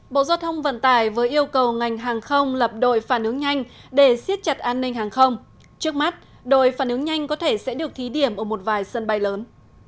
bộ giao thông vận tải vừa yêu cầu ngành hàng không lập đội phản ứng nhanh để siết chặt an ninh hàng không trước mắt đội phản ứng nhanh có thể sẽ được thí điểm ở một vài sân bay lớn